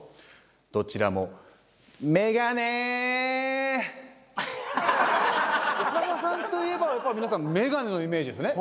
どちらも岡田さんといえばやっぱり皆さんメガネのイメージですよね。